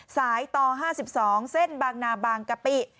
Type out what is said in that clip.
สายต่อ๕๒เส้นบางนาบางกะปิ